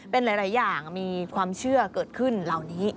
เป็นหลายอย่างมีความเชื่อเกิดขึ้นเหล่านี้